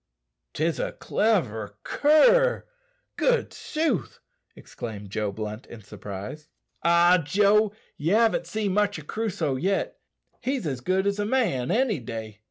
"'Tis a cliver cur, good sooth," exclaimed Joe Blunt in surprise. "Ah, Joe! you haven't seen much of Crusoe yet. He's as good as a man any day.